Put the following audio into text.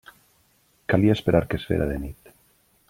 Calia esperar que es fera de nit.